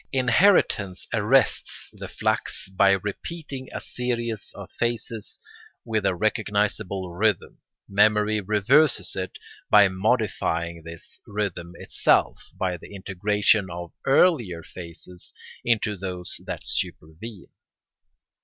Inheritance arrests the flux by repeating a series of phases with a recognisable rhythm; memory reverses it by modifying this rhythm itself by the integration of earlier phases into those that supervene.